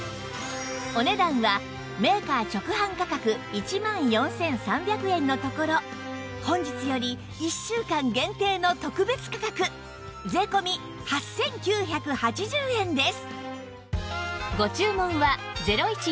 お値段はメーカー直販価格１万４３００円のところ本日より１週間限定の特別価格税込８９８０円です